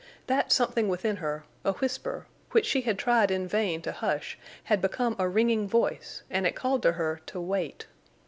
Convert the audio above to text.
That something within her—a whisper—which she had tried in vain to hush had become a ringing voice, and it called to her to wait.